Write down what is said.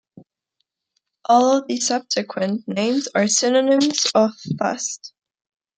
All of the subsequent names are synonyms of "fast".